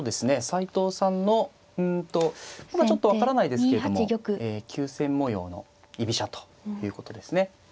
斎藤さんのうんとまだちょっと分からないですけれども急戦模様の居飛車ということですね。